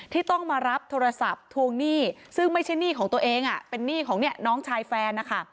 ที่ต้องมารับโทรศัพท์ทวงหนี้ซึ่งไม่ใช่หนี้ของตัวเองเป็นหนี้ของเนี่ยน้องชายแฟนนะคะ